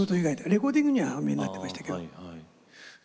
レコーディングにはお見えになってましたけど。